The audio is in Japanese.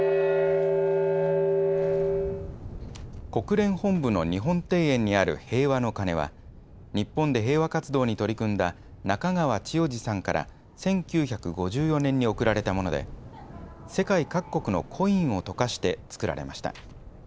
国連本部の日本庭園にある平和の鐘は日本で平和活動に取り組んだ中川千代治さんから１９５４年に贈られたもので世界各国のコインを溶かして作られました。